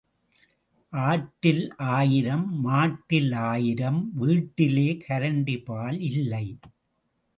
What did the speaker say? ஆட்டில் ஆயிரம், மாட்டில் ஆயிரம் வீட்டிலே கரண்டிபால் இல்லை.